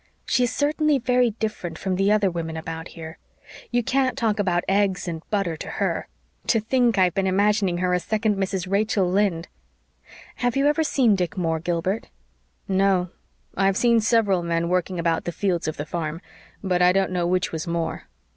"She is certainly very different from the other women about here. You can't talk about eggs and butter to HER. To think I've been imagining her a second Mrs. Rachel Lynde! Have you ever seen Dick Moore, Gilbert?" "No. I've seen several men working about the fields of the farm, but I don't know which was Moore."